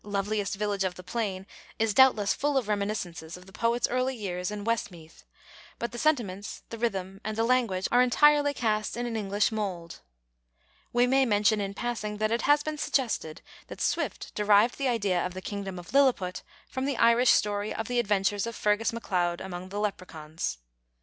loveliest village of the plain" is doubtless full of reminiscences of the poet's early years in Westmeath, but the sentiments, the rhythm, and the language are entirely cast in an English mould. We may mention, in passing, that it has been suggested that Swift derived the idea of the kingdom of Lilliput from the Irish story of the Adventures of Fergus macLeide amongst the leprechauns.